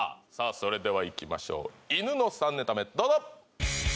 それではいきましょういぬの３ネタ目どうぞ！